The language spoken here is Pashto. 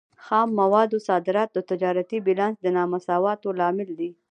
خام موادو صادرات د تجارتي بیلانس د نامساواتوب لامل دی.